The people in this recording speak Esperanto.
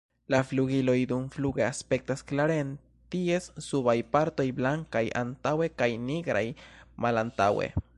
La flugiloj dumfluge aspektas klare en ties subaj partoj blankaj antaŭe kaj nigraj malantaŭe.